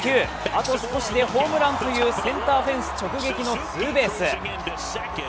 あと少しでホームランというセンターフェンス直撃のツーベース。